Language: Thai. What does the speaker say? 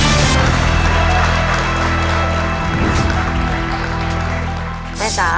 ขอเชิญแม่จำรูนขึ้นมาต่อชีวิต